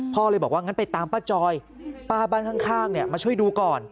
เลยบอกว่างั้นไปตามป้าจอยป้าบ้านข้างมาช่วยดูก่อน